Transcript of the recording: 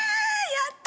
やった！